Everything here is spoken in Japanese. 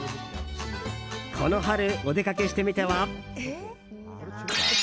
この春、お出かけしてみては？